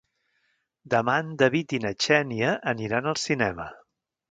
Demà en David i na Xènia aniran al cinema.